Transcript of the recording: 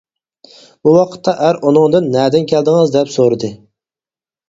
بۇ ۋاقىتتا ئەر ئۇنىڭدىن «نەدىن كەلدىڭىز» دەپ سورىدى.